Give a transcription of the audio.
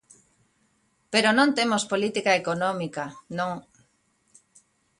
Pero non temos política económica, non.